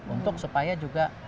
untuk supaya juga